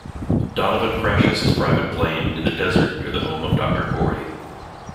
Donovan crashes his private plane in the desert near the home of Doctor Cory.